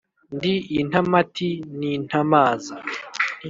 ndi intamati ntintamaza